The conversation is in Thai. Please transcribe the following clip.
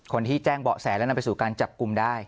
คนที่แจ้งเบาะแสแล้วนำไปสู่การจับกลุ่มได้